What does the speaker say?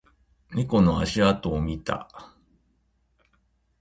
猫の足跡を見た